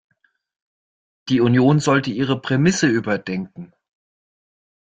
Die Union sollte ihre Prämisse überdenken.